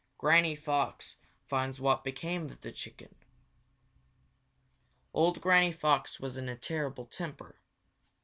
Granny Fox Finds What Became of the Chicken Old Granny Fox was in a terrible temper.